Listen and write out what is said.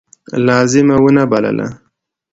لازمه ونه بلله.